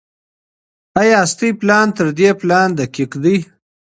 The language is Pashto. ايا ستاسي پلان تر دې پلان دقيق دی؟